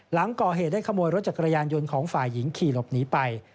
หลังก่อเหตุได้ขโมยรถจักรยานยนต์ของฝ่ายหญิงขี่หลบหนีไป